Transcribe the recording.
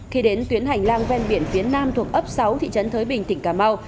khi đến tuyến hành lang ven biển phía nam thuộc ấp sáu thị trấn thới bình tỉnh cà mau